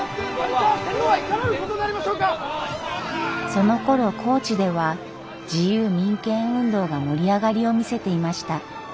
そのころ高知では自由民権運動が盛り上がりを見せていました。